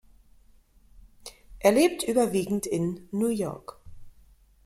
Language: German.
Er lebt überwiegend in New York.